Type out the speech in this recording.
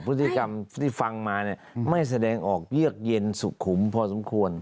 พฤติกรรมที่ฟังมาเนี่ยไม่แสดงออกเยือกเย็นสุขุมพอสมควร